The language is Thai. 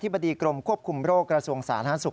บดีกรมควบคุมโรคกระทรวงสาธารณสุข